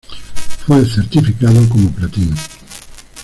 Fue certificado como Platino.